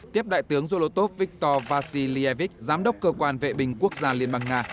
tiếp đại tướng zolotov viktor vassilievich giám đốc cơ quan vệ binh quốc gia liên bang nga